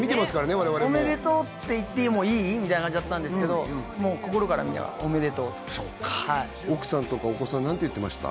我々も「おめでとうって言ってもいい？」みたいな感じだったんですけどもう心からみんなおめでとうとそうか奥さんとかお子さん何て言ってました？